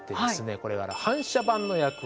これが反射板の役割。